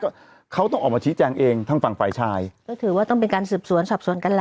ก็เขาต้องออกมาชี้แจงเองทางฝั่งฝ่ายชายก็ถือว่าต้องเป็นการสืบสวนสอบสวนกันล่ะ